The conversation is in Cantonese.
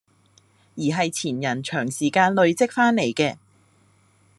而係前人長時間累積返嚟嘅